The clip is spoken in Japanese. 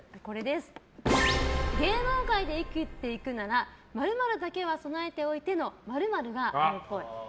芸能界で生きていくなら○○だけは備えておいての○○があるっぽい。